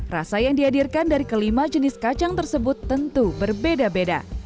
rasa yang dihadirkan dari kelima jenis kacang tersebut tentu berbeda beda